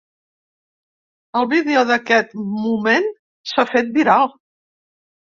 El vídeo d’aquest moment s’ha fet viral.